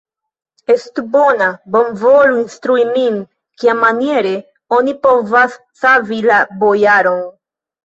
Estu bona, bonvolu instrui min, kiamaniere oni povas savi la bojaron.